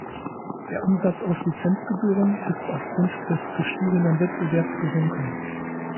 Der Umsatz aus Lizenzgebühren ist aufgrund des gestiegenen Wettbewerbs gesunken.